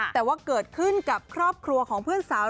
แต่ว่าเกิดขึ้นกับครอบครัวของเพื่อนสาว